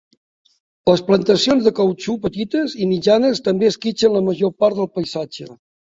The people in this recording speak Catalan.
Les plantacions de cautxú petites i mitjanes també esquitxen la major part del paisatge.